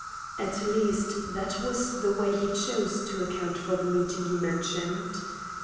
At least, that was the way he chose to account for the meeting he mentioned.